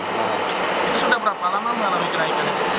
itu sudah berapa lama mengalami kenaikan